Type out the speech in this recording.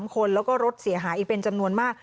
คนแล้วก็รถเสียหายอีกเป็นจำนวนมาก